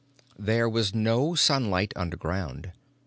There was no sunlight underground.